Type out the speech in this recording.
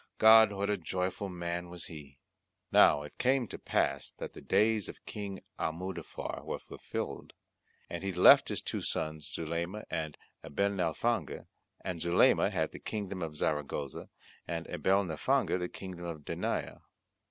God, what a joyful man was he! Now it came to pass that the days of King Almudafar were fulfilled: and he left his two sons Zulema and Abenalfange, and Zulema had the kingdom of Zaragoza, and Abenalfange the kingdom of Denia.